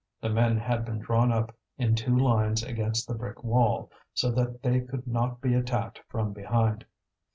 The men had been drawn up in two lines against the brick wall, so that they could not be attacked from behind.